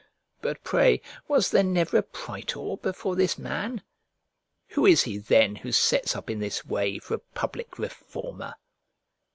But pray was there never a praetor before this man? Who is he then who sets up in this way for a public reformer?